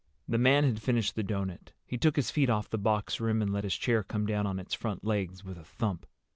The man had finished the doughnut. He took his feet off the box rim and let his chair come down on its front legs with a thump.